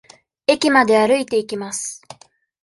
駅まで歩いていきます。